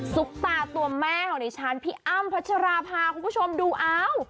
ซุปตาตัวแม่ของดิฉันพี่อ้ำพัชราภาคุณผู้ชมดูอ้าว